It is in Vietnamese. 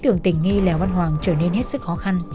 đối tượng tỉnh nghi lèo văn hoàng trở nên hết sức khó khăn